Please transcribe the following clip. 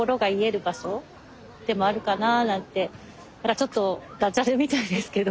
ちょっとダジャレみたいですけど